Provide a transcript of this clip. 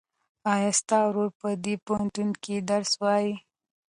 ایا ستا ورور په دې پوهنتون کې درس وایي؟